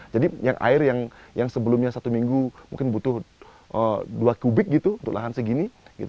jadi yang air yang sebelumnya satu minggu mungkin butuh dua kubik gitu untuk lahan segini